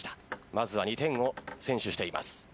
まずは２点を先取しています。